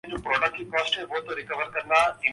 یہ وہ مباحث ہیں جو اغیار کے گھروں میں ہو رہے ہیں؟